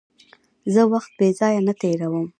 زه وخت بېځایه نه تېرووم.